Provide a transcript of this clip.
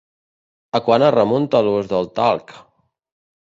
A quant es remunta l'ús del talc?